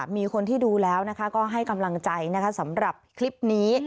มีคนที่ดูแล้วก็ให้กำลังใจนะคะสำหรับคลิปนี้